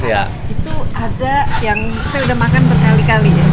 di situ ada yang saya sudah makan berkali kali ya